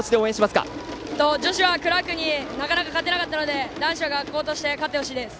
女子はクラークになかなか勝てなかったので男子は学校として勝ってほしいです。